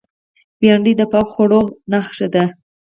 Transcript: بېنډۍ د پاکو خوړو نخښه ده